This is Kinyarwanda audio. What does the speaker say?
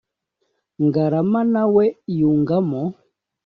Ngarama na we yungamo.